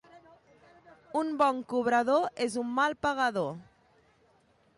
Un bon cobrador és un mal pagador.